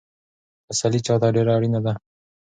تسلي چا ته ډېره اړینه ده؟